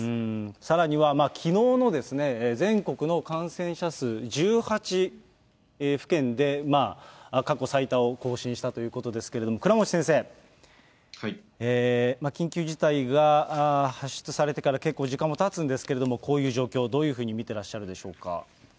さらには、きのうの全国の感染者数、１８府県で過去最多を更新したということですけれども、倉持先生、緊急事態が発出されてから結構時間もたつんですけれども、こういう状況、どういうふうに見てらっしゃるでしょうか。